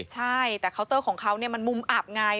ใช่แต่เคาน์เตอร์ของเขามันมุมอับไง